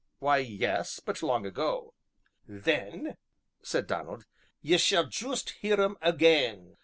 "Why, yes, but long ago." "Then," said Donald, "ye shall juist hear 'em again."